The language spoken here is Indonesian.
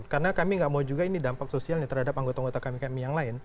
karena kami nggak mau juga ini dampak sosial terhadap anggota anggota kami yang lain